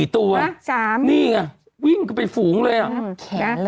๔ตัวนี่ไงวิ่งไปฝูงเลยอ่ะ